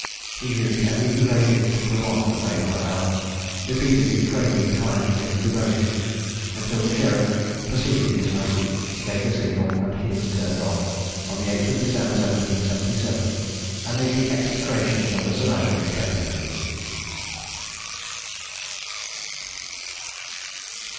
He used every evasion to prolong the fatal hour, repeatedly craving time for his devotions, until the sheriff, perceiving his motive, gave the signal, and he was turned off, on the 8th of December 1777, amidst the execrations of the surrounding spectators.